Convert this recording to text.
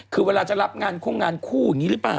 คือเวลาจะรับงานคู่งานคู่อย่างนี้หรือเปล่า